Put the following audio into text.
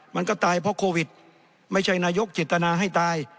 มันก็ตายเพราะโควิดไม่ใช่นายกเจตนาให้ตาย